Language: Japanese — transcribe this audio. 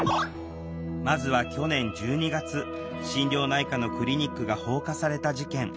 まずは去年１２月心療内科のクリニックが放火された事件。